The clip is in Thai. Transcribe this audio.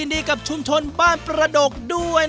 เร็วเร็ว